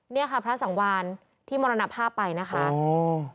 เนี่ยค่ะพระสังวานที่มรณภาพไปนะคะอืม